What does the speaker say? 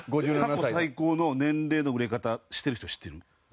過去最高の年齢の売れ方してる人知ってる？